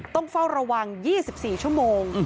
ต้องเฝ้าระวัง๒๔ชั่วโมง